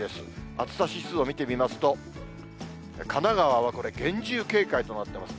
暑さ指数を見てみますと、神奈川はこれ、厳重警戒となってます。